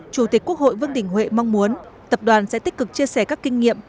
chủ tịch quốc hội vương đình huệ mong muốn tập đoàn sẽ tích cực chia sẻ các kinh nghiệm